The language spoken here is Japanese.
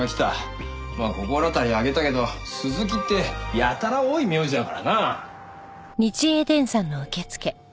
まあ心当たりを挙げたけど「鈴木」ってやたら多い名字だからな。